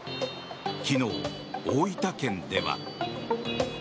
昨日、大分県では。